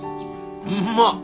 うまっ！